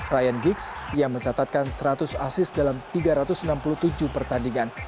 ryan gigs yang mencatatkan seratus asis dalam tiga ratus enam puluh tujuh pertandingan